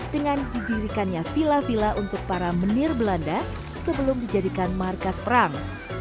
dengan didirikannya villa villa untuk para menir belanda sebelum dijadikan markas perang